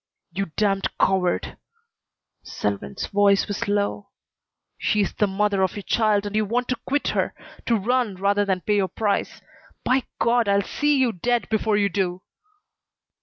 "You damned coward!" Selwyn's voice was low. "She is the mother of your child, and you want to quit her; to run, rather than pay your price! By God! I'll see you dead before you do!"